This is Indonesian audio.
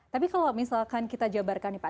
tapi kalau misalkan kita jabarkan nih pak